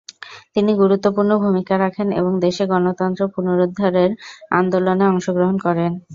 তিনি গুরুত্বপূর্ণ ভূমিকা রাখেন এবং দেশে গণতন্ত্র পুনরুদ্ধারের আন্দোলনে অংশগ্রহণ করেন।